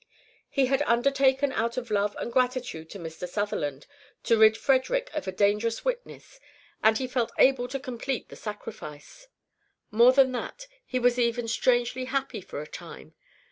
He had undertaken out of love and gratitude to Mr. Sutherland to rid Frederick of a dangerous witness and he felt able to complete the sacrifice. More than that, he was even strangely happy for a time.